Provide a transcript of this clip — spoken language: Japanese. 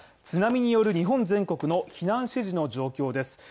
津波による日本全国の避難指示の状況です。